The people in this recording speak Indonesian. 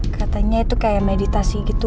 katanya itu kayak meditasi gitu